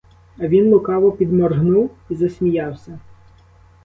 А він лукаво підморгнув і засміявся.